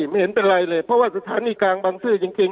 ไม่เห็นเป็นไรเลยเพราะว่าสถานีกลางบังซื้อจริง